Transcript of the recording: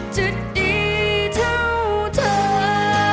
จะดีเท่าเธอ